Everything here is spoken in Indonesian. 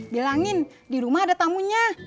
bilangin di rumah ada tamunya